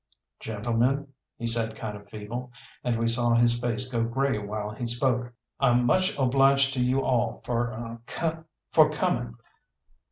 "Gentlemen," he said kind of feeble, and we saw his face go grey while he spoke, "I'm much obliged to you all for er for coming.